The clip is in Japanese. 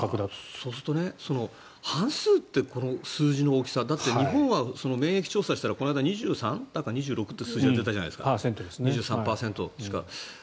そうすると、半数ってこの数字の大きさだって日本は免疫調査をしたらこの間、２３だか２６％っていう数字が出たじゃないですか。